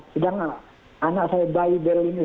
sedangkan anak saya bayi berlin istana